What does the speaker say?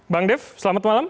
bang dev selamat malam